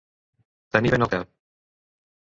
Tenir vent al cap.